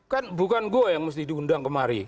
kan bukan saya yang harus diundang kemari